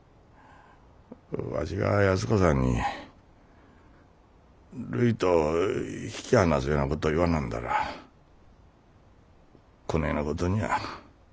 わしが安子さんにるいと引き離すようなこと言わなんだらこねえなことにゃあ。